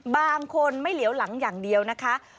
บางคนไม่เหลียวหลังอย่างเดียวนะคะ